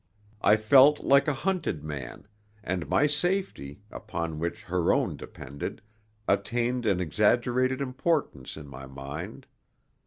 I felt like a hunted man, and my safety, upon which her own depended, attained an exaggerated importance in my mind.